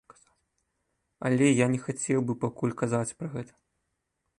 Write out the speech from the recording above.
Але я не хацеў бы пакуль казаць пра гэта.